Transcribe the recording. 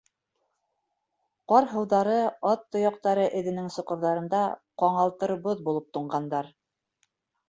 Ҡар һыуҙары ат тояҡтары әҙенең соҡорҙарында ҡаңалтыр боҙ булып туңғандар.